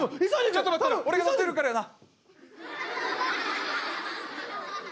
ちょっと待ってろ俺が取ってくるからな！